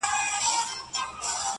چي اوبه تر ورخ اوښتي نه ستنېږي،